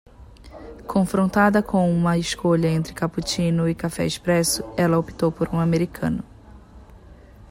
Confrontada com uma escolha entre cappuccino e café expresso, ela optou por um americano.